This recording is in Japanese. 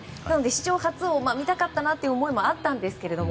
史上初を見たかったなという思いはあったんですけれども